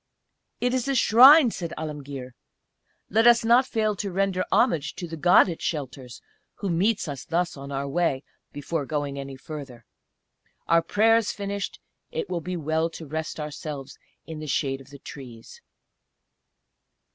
"It is a Shrine," said Alemguir. "Let us not fail to render homage to the God it shelters, who meets us thus on our way, before going any further. Our prayers finished it will be well to rest ourselves in the shade of the trees."